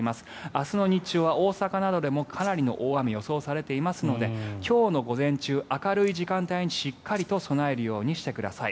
明日の日中は大阪などでもかなりの大雨が予想されていますので今日の午前中、明るい時間帯にしっかりと備えるようにしてください。